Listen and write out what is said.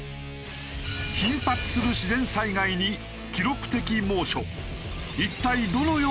頻発する自然災害に記録的猛暑。